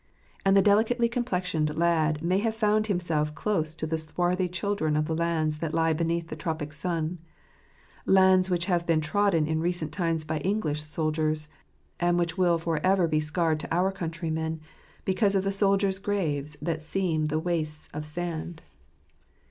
And the delicately complexioned lad may have found himself close to the swarthy children of the lands that lie beneath the tropic sun; lands which have been trodden in recent times by English soldiers, and which will for ever be sacred to our countrymen because of the soldiers' graves that seam the wastes of sand.